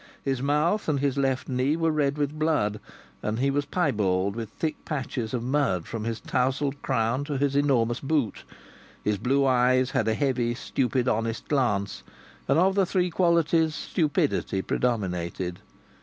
His mouth and his left knee were red with blood, and he was piebald with thick patches of mud from his tousled crown to his enormous boot. His blue eyes had a heavy, stupid, honest glance; and of the three qualities stupidity predominated.